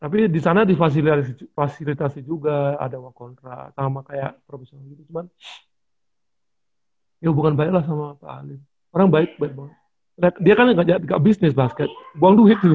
tapi di sana difasilitasi juga ada wakontrak sama kayak profesional gitu cuman ya hubungan baiklah sama pak alim orang baik baik dia kan nggak bisnis basket buang duit dulu